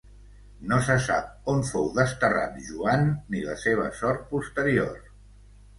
No se sap on fou desterrat Joan ni la seva sort posterior.